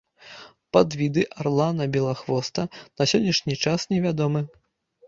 Падвіды арлана-белахвоста на сённяшні час невядомы.